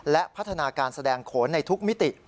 และพัฒนาการแสดงโขนในทุกมิติ